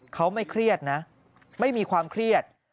เขาไม่เครียดนะไม่มีความเครียด